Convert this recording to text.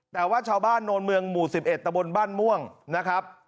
แต่ว่าชาวบ้านโนนเมืองหมู่๑๑ตะบนบ้านม่วงนะครับ